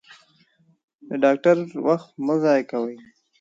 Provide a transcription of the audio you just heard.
د ډاکټر وخت مه ضایع کوئ.